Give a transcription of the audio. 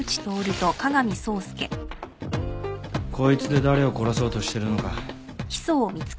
こいつで誰を殺そうとしてるのか。